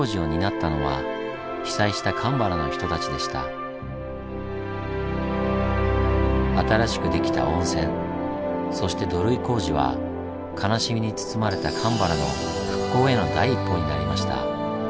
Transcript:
そして新しくできた温泉そして土塁工事は悲しみに包まれた鎌原の復興への第一歩になりました。